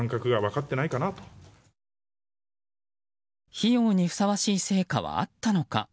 費用にふさわしい成果はあったのか。